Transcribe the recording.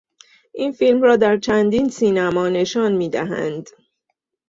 این فیلم را در چندین سینما نشان میدهند.